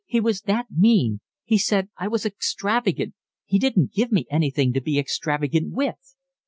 He was that mean. He said I was extravagant, he didn't give me anything to be extravagant with."